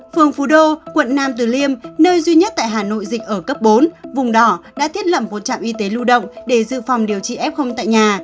phường phú đô quận nam từ liêm nơi duy nhất tại hà nội dịch ở cấp bốn vùng đỏ đã thiết lập một trạm y tế lưu động để dự phòng điều trị f tại nhà